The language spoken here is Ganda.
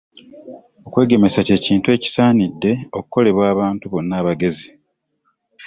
Okwegemesa ky'ekintu ekisaanidde okukolebwa abantu bonna abagezi.